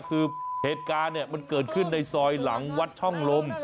คือเหตุการณ์เนี่ยมันเกิดขึ้นในซอยหลังวัดช่องลม